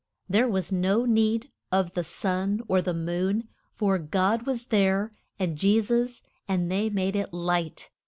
There was no need of the sun or the moon, for God was there and Je sus, and they made it light.